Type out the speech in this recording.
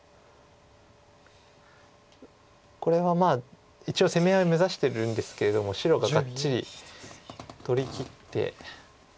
これはまあ一応攻め合い目指してるんですけれども白ががっちり取りきって。